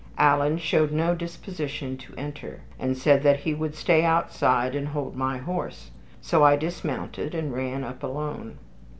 Alan showed no disposition to enter, and said that he would stay outside and hold my horse, so I dismounted and ran up alone.